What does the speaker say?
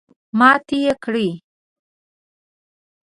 ماتې کړې.